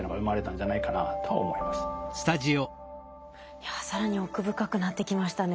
いや更に奥深くなってきましたね。